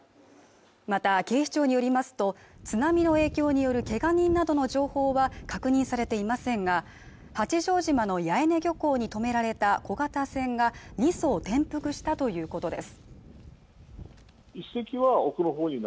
また警視庁によりますと津波の影響によるけが人などの情報は確認されていませんが八丈島の八重根漁港にとめられた小型船が２艘転覆したということです